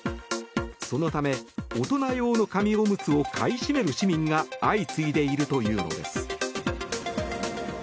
そのため、大人用の紙おむつを買い占める市民が相次いでいるというのです。